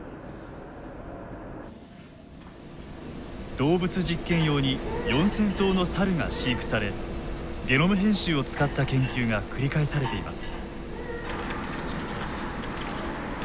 動物実験用に４，０００頭のサルが飼育されゲノム編集を使った研究が繰り返されています。